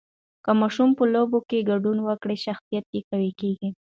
که ماشوم په لوبو کې ګډون وکړي، شخصیت یې قوي کېږي.